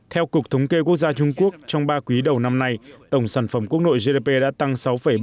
theo cục thống kê quốc gia trung quốc trong ba quý đầu năm nay tổng sản phẩm quốc nội gdp đã tăng sáu bảy